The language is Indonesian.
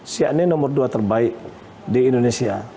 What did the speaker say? siak ini nomor dua terbaik di indonesia